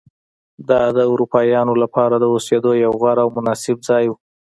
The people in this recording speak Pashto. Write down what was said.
دا د اروپایانو لپاره د اوسېدو یو غوره او مناسب ځای و.